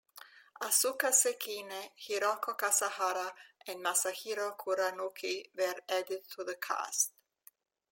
Asuka Sekine, Hiroko Kasahara and Masahiro Kuranuki were added to the cast.